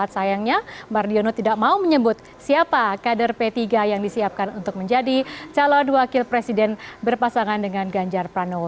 sayangnya mardiono tidak mau menyebut siapa kader p tiga yang disiapkan untuk menjadi calon wakil presiden berpasangan dengan ganjar pranowo